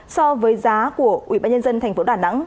so với giá của ủy ban nhân dân tp đà nẵng